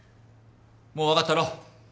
もう分かったろ？